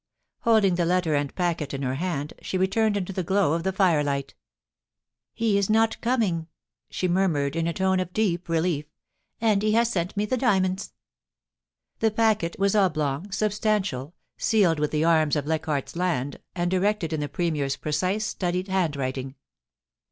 Holding the letter and packet in her hand, she returned into the glow of the firelight *He is not coming,* she murmured in a tone of deep relief —* and he has sent me the diamonds.' The packet was oblong, substantial, sealed with the arms of Leichardt's Land, and directed in the Premier's precise, studied handwriting.